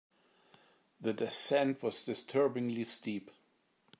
The descent was disturbingly steep.